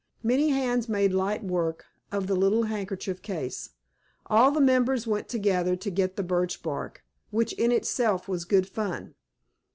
Many hands made light work of the little handkerchief case. All the members went together to get the birch bark, which in itself was good fun.